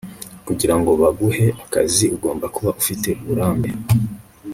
kugira ngo baguhe akazi ugomba kuba ufite uburambe